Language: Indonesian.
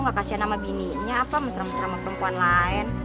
enggak kasihan sama bininya apa mesra mesra sama perempuan lain